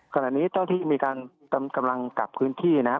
ขณะนี้เจ้าที่มีการกำลังกลับพื้นที่นะครับ